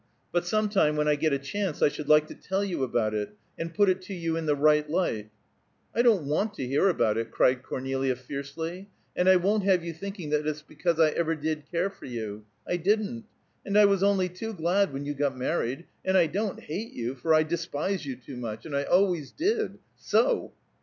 But some time, when I get a chance, I should like to tell you about it, and put it to you in the right light " "I don't want to hear about it," cried Cornelia fiercely. "And I won't have you thinking that it's because I ever did care for you. I didn't. And I was only too glad when you got married. And I don't hate you, for I despise you too much; and I always did. So!"